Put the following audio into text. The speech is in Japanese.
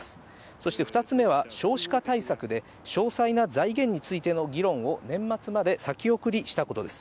そして２つ目は、少子化対策で詳細な財源についての議論を年末まで先送りしたことです。